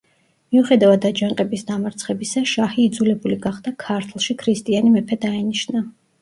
მიუხედავად აჯანყების დამარცხებისა, შაჰი იძულებული გახდა ქართლში ქრისტიანი მეფე დაენიშნა.